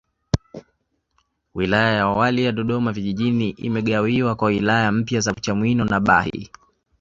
Wilaya ya awali ya Dodoma Vijijini imegawiwa kwa wilaya mpya za Chamwino na Bahi